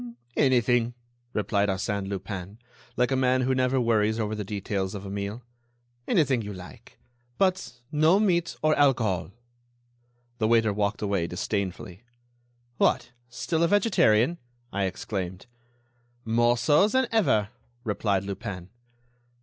"Anything," replied Arsène Lupin, like a man who never worries over the details of a meal; "anything you like, but no meat or alcohol." The waiter walked away, disdainfully. "What! still a vegetarian?" I exclaimed. "More so than ever," replied Lupin.